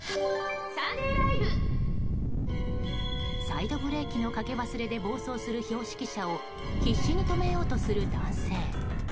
サイドブレーキのかけ忘れで暴走する標識車を必死に止めようとする男性。